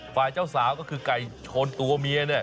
ฝ่ายเจ้าสาวก็คือไก่ชนตัวเมียเนี่ย